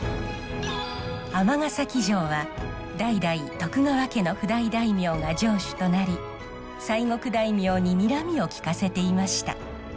尼崎城は代々徳川家の譜代大名が城主となり西国大名ににらみをきかせていました。